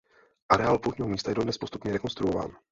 Areál poutního místa je dodnes postupně rekonstruován.